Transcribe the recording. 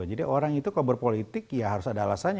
jadi orang itu kalau berpolitik ya harus ada alasannya